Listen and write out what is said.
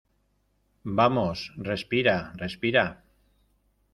vamos, respira , respira.